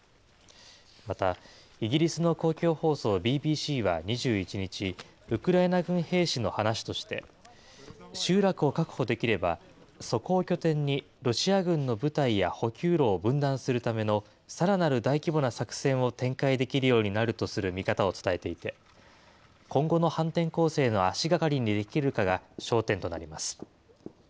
また、イギリスの公共放送ＢＢＣは２１日、ウクライナ軍兵士の話として、集落を確保できれば、そこを拠点にロシア軍の部隊や補給路を分断するためのさらなる大規模な作戦を展開できるようになるとする見方を伝えていて、今後の反転攻勢の足がかりにできるかが焦点となります。